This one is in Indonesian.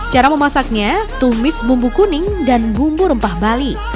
cara memasaknya tumis bumbu kuning dan bumbu rempah bali